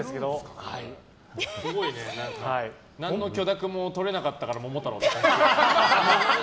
何の許諾も取れなかったから「桃太郎」なんだ。